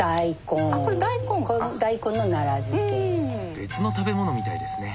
別の食べ物みたいですね。